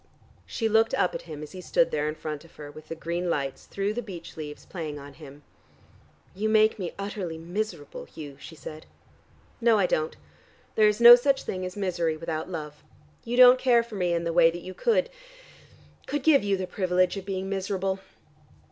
She looked up at him, as he stood there in front of her with the green lights through the beech leaves playing on him. "You make me utterly miserable, Hugh," she said. "No, I don't. There is no such thing as misery without love. You don't care for me in the way that you could could give you the privilege of being miserable."